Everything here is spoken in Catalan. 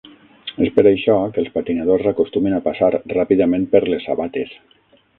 És per això que els patinadors acostumen a passar ràpidament per les sabates.